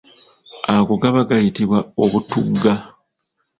Ago gaba gayitibwa obutuuga.